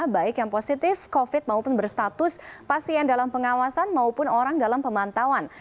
baik yang positif covid maupun berstatus pasien dalam pengawasan maupun orang dalam pemantauan